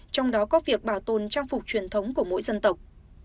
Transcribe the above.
trong đó có việc bảo tồn trang phục truyền thống của mỗi dân tộc